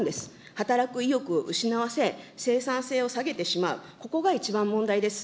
働く意欲失わせ、生産性を下げてしまう、ここが一番問題です。